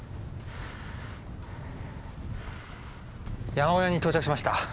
山小屋に到着しました。